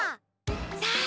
さあ